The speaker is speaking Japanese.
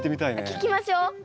聞きましょ。